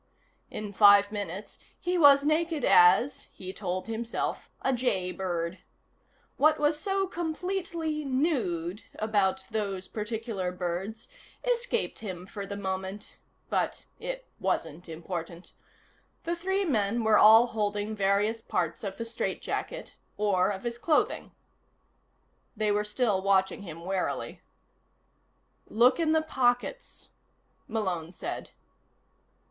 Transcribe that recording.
In five minutes he was naked as he told himself a jay bird. What was so completely nude about those particular birds escaped him for the moment, but it wasn't important. The three men were all holding various parts of the strait jacket or of his clothing. They were still watching him warily. "Look in the pockets," Malone said.